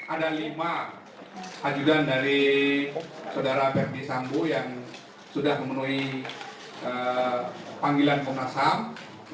ada lima ajudan dari saudara verdi sambo yang sudah memenuhi panggilan komnas ham